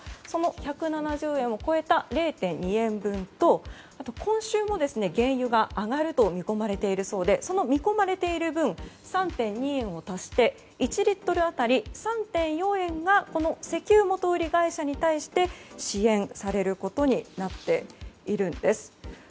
その補助金を加えた０．２円分とあと、今週も原油が上がると見込まれているそうで見込まれている分３．２円を足して１リットル当たり３．４円がこの石油元売り会社に対して支援されることになっているんです。